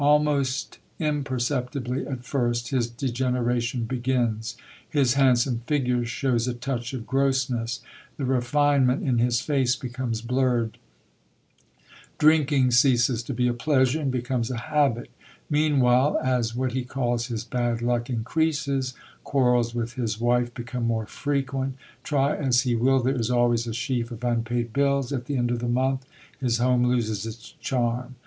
Almost imperceptibly at first his degeneration begins; his handsome figure shows a touch of grossness; the refinement in his face becomes blurred; drinking ceases to be a pleasure, and becomes a habit. Meanwhile, as what he calls his bad luck increases, quarrels with his wife become more frequent; try as he will, there is always a sheaf of unpaid bills at the end of the month; his home loses its charm.